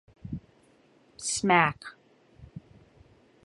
Smack!